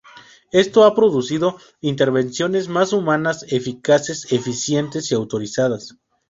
Esto ha producido intervenciones más humanas, eficaces, eficientes y autorizadas.